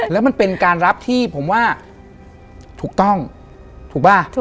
แล้วมันเป็นการรับที่ผมว่าถูกต้องถูกป่ะ